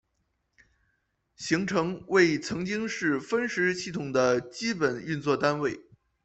行程为曾经是分时系统的基本运作单位。